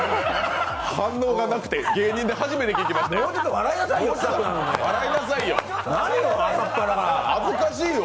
反応がなくて、芸人で初めて聞きましたよ。